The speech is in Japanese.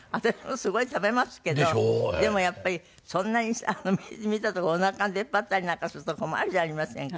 でもやっぱりそんなにさ見たところおなか出っ張ったりなんかすると困るじゃありませんか。